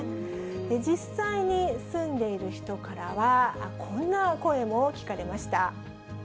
実際に住んでいる人からは、こんな声も聞かれました。